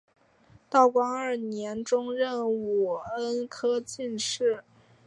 道光二年中壬午恩科进士。